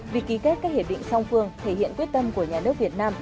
việc ký kết các hiệp định song phương thể hiện quyết tâm của nhà nước việt nam